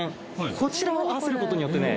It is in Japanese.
こちらを合わせることによってね